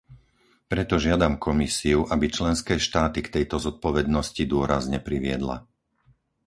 Preto žiadam Komisiu, aby členské štáty k tejto zodpovednosti dôrazne priviedla.